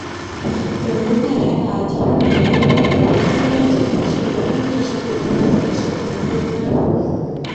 有奴派还把铁犁牛耕和中央集权视为封建社会取代奴隶社会的特征。